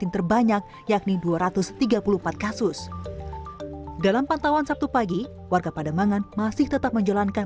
terbanyak yakni dua ratus tiga puluh empat kasus dalam pantauan sabtu pagi warga pademangan masih tetap menjalankan